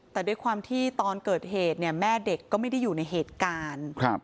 แต่ด้วยความที่ตอนเกิดเหตุเนี่ยแม่เด็กก็ไม่ได้อยู่ในเหตุการณ์